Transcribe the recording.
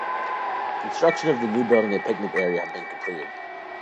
Construction of the new building and picnic area have been completed.